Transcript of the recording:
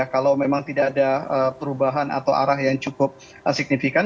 kalau memang tidak ada perubahan atau arah yang cukup signifikan